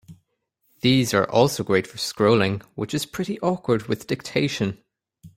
These are also great for scrolling, which is pretty awkward with dictation.